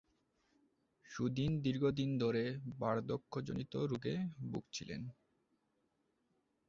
সুধীন দীর্ঘদিন ধরে বার্ধক্যজনিত রোগে ভুগছিলেন।